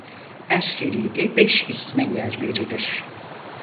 Her seride beş isme yer verilir.